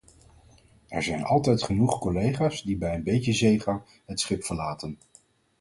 Er zijn altijd genoeg collega's die bij een beetje zeegang het schip verlaten.